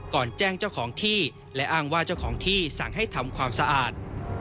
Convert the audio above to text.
แจ้งเจ้าของที่และอ้างว่าเจ้าของที่สั่งให้ทำความสะอาด